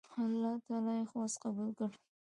الله تعالی یې خواست قبول کړ.